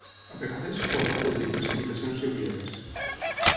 A vegades, poden produir precipitacions lleugeres.